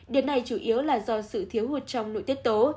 điều này chủ yếu là do sự thiếu hụt trong nội tiết tố